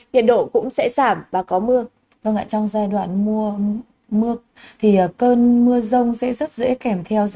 xin chào và hẹn gặp lại các bạn trong những video tiếp theo